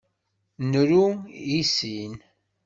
Nru i sin.